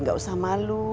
gak usah malu